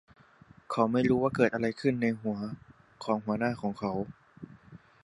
เขาไม่รู้ว่าเกิดอะไรขึ้นในหัวของหัวหน้าของเขา